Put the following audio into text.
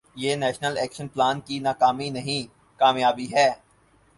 یہ national action plan کی ناکامی نہیں، کامیابی ہے۔